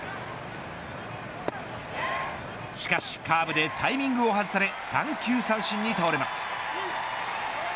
しかしカーブでタイミングを外され３球三振に倒れます。